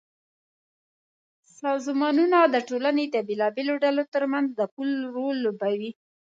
سازمانونه د ټولنې د بېلابېلو ډلو ترمنځ د پُل رول لوبوي.